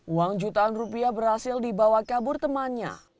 uang jutaan rupiah berhasil dibawa kabur temannya